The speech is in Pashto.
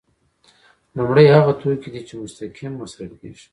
لومړی هغه توکي دي چې مستقیم مصرفیږي.